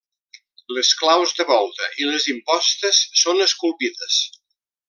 Les claus de volta i les impostes són esculpides.